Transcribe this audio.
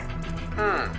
うん。